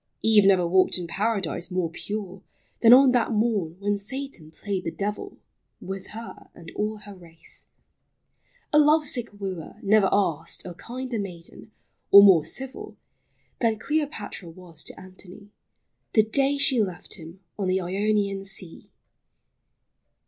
...... Eve never walked in Paradise more pure Than on that morn when Satan played the devil LIFE. 267 With her and all her race. A lovesick wooer Ne'er asked a kinder maiden, or more civil, Than Cleopatra was to Antony The day she left him on the Ionian sea.